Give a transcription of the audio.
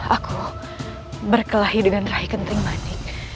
aku berkelahi dengan rai kenting manik